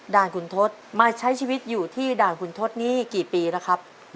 ด่านคุณทศมาใช้ชีวิตอยู่ที่ด่านคุณทศนี่กี่ปีแล้วครับ